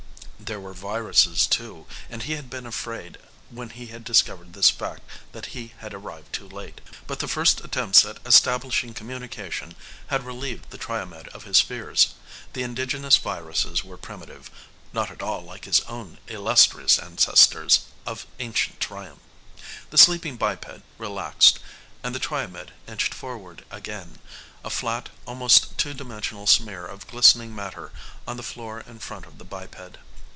There were viruses, too, and he had been afraid when he had discovered this fact that he had arrived too late. But the first attempts at establishing communication had relieved the Triomed of his fears. The indigenous viruses were primitive; not at all like his own illustrious ancestors of ancient Triom. The sleeping biped relaxed and the Triomed inched forward again, a flat, almost two dimensional smear of glistening matter on the floor in front of the biped.